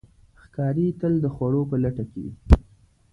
ښکاري تل د خوړو په لټه کې وي.